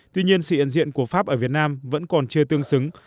tuy nhiên sự hiện diện của pháp ở việt nam vẫn còn chưa tương xứng